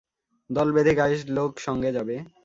দল বেঁধে গাঁয়ের লোক সঙ্গে যাবে।